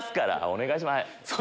お願いします！